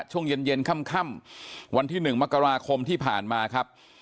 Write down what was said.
ช่วงเย็นค่ำวันที่๑มกราคมที่ผ่านมาครับ